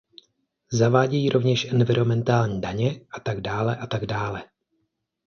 Zavádějí rovněž environmentální daně a tak dále a tak dále.